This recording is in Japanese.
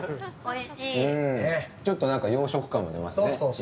ちょっと洋食感も出ますね。